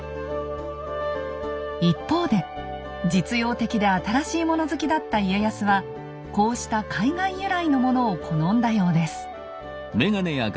一方で実用的で新しいもの好きだった家康はこうした海外由来のものを好んだようです。